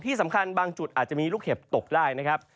ที่สำคัญบางจุดอาจจะมีลูกเห็บตกได้นะครับ